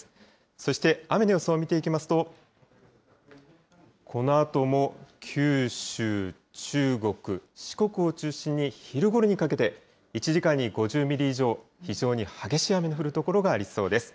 そして雨の予想を見ていきますと、このあとも九州、中国、四国を中心に、昼ごろにかけて、１時間に５０ミリ以上、非常に激しい雨の降る所がありそうです。